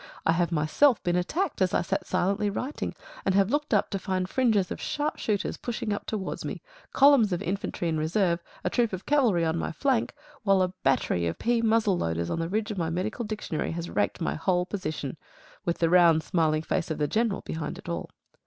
I have been myself attacked as I sat silently writing, and have looked up to find fringes of sharp shooters pushing up towards me, columns of infantry in reserve, a troop of cavalry on my flank, while a battery of pea muzzle loaders on the ridge of my medical dictionary has raked my whole position with the round, smiling face of the general behind it all.